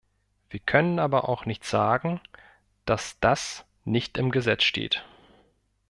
Wir können aber auch nicht sagen, dass das nicht im Gesetz steht.